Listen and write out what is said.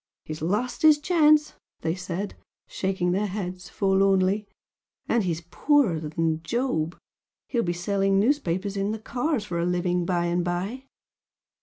"He's lost his chance!" they said, shaking their heads forlornly "And he's poorer than Job! He'll be selling newspapers in the cars for a living by and by!"